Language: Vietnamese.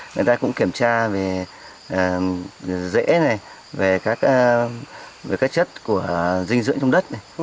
người ta cũng kiểm tra về dễ này về các chất của dinh dưỡng trong đất này